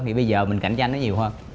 thì bây giờ mình cạnh tranh nó nhiều hơn